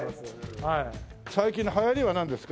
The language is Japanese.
最近の流行りはなんですか？